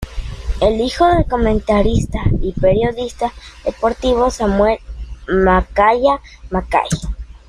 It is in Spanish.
Es hijo del comentarista y periodista deportivo Samuel Macaya Macaya.